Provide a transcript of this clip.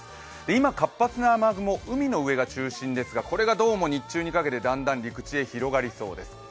今、活発な雨雲、海の上が中心ですが、これがどうも日中にかけて、だんだん陸地へ広がりそうです。